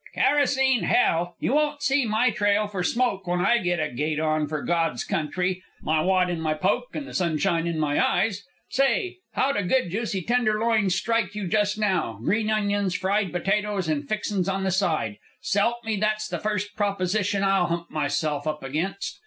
"Kerosene, hell! You won't see my trail for smoke when I get a gait on for God's country, my wad in my poke and the sunshine in my eyes. Say! How'd a good juicy tenderloin strike you just now, green onions, fried potatoes, and fixin's on the side? S'help me, that's the first proposition I'll hump myself up against.